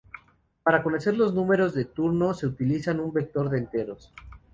Para conocer los números de turno se utiliza un vector de enteros.